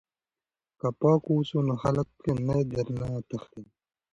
که پاک اوسو نو خلک نه درنه تښتي.